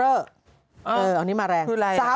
เอออันนี้มาแรง